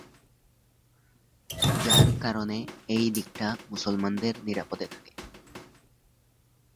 যার কারণে এই দিকটা মুসলমানদের নিরাপদ থাকে।